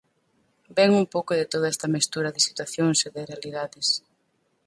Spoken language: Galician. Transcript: Vén un pouco de toda esta mestura de situacións e de realidades.